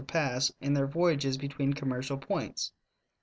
to pass ill their voyages between eommereial points.